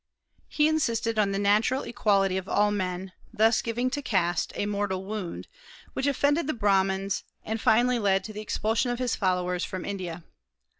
He insisted on the natural equality of all men, thus giving to caste a mortal wound, which offended the Brahmans, and finally led to the expulsion of his followers from India.